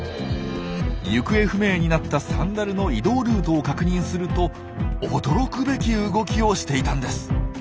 行方不明になったサンダルの移動ルートを確認すると驚くべき動きをしていたんです。